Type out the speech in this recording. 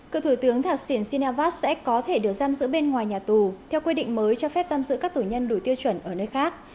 cựu thủ tướng thả xỉn sinavas sẽ có thể được giam giữ bên ngoài nhà tù theo quy định mới cho phép giam giữ các tù nhân đủ tiêu chuẩn ở nơi khác